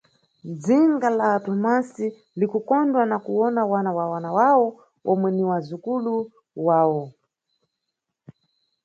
Dzinga la Tomasi likukondwa na kuwona wana wa wana wawo, omwe ni wazukulu wawo.